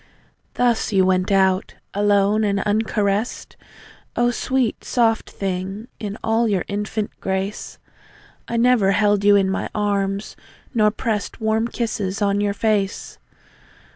Thus you went out alone and uncaressed; O sweet, soft thing, in all your infant grace, I never held you in my arms, nor pressed Warm kisses on your face!